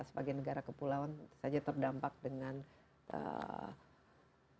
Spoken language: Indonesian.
sebagai negara kepulauan saja terdampak dengan ya air air yang terdampak dengan air air yang terdampak